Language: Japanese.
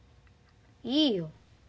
いいよ。